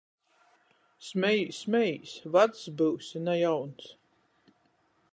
Smejīs, smejīs: vacs byusi, na jauns!